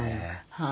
はい。